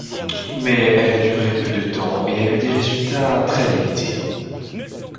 Mais elle a duré peu de temps et a eu des résultats très limités.